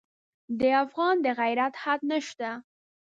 د افغان د غیرت حد نه شته.